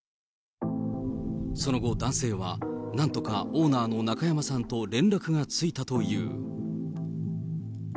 その後男性は、なんとかオーナーの中山さんと連絡がついたという。